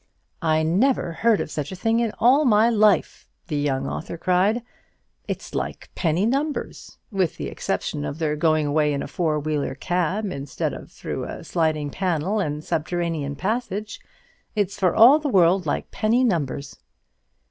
"I never heard of such a thing in all my life," the young author cried; "it's like penny numbers. With the exception of their going away in a four wheeler cab instead of through a sliding panel and subterranean passage, it's for all the world like penny numbers."